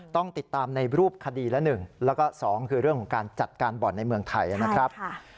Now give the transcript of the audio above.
ต้องติดตามในรูปคดีละ๑แล้วก็๒คือเรื่องของการจัดการบ่อนในเมืองไทยนะครับ